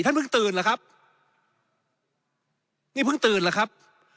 ท่านเพิ่งตื่นหรือครับ